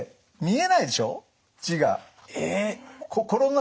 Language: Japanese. え。